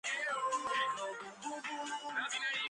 ერთი ვიწრო სარკმელი დასავლეთ კედლის ცენტრშია.